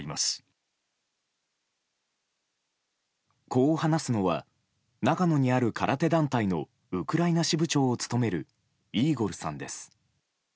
こう話すのは長野にある空手団体のウクライナ支部長を務めるイーゴルさんです。